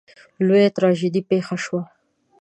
لویه تراژیدي پېښه شوه.